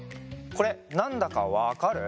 これなんだかわかる？